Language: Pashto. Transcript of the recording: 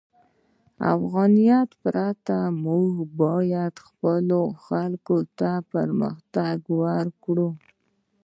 د افغانیت پرته، موږ باید خپلو خلکو ته پرمختګ ورکړو.